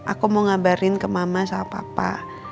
aku mau ngabarin ke mama sama papa